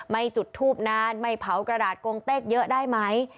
ไม่จุดทูบนานไม่เผากระดาษกงเต้กเยอะได้ไหม